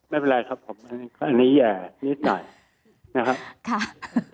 ไม่เป็นไรครับผมอันนี้แย่นิดหน่อยนะครับ